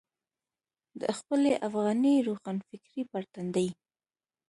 د خپلې افغاني روښانفکرۍ پر تندي.